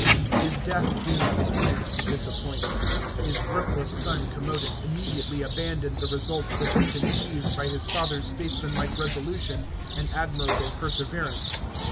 His death doomed his plans to disappointment. His worthless son Commodus immediately abandoned the results which had been achieved by his father's statesmanlike resolution and admirable perseverance.